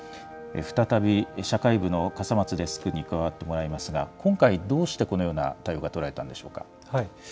再び社会部の笠松デスクに加わってもらいますが、今回、どうしてこのような対応が取られたんでしょうか。